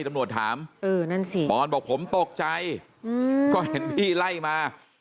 ตำรวจถามเออนั่นสิปอนบอกผมตกใจก็เห็นพี่ไล่มา